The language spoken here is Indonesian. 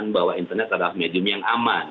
bahwa internet adalah medium yang aman